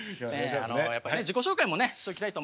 あのやっぱね自己紹介もねしときたいと思います。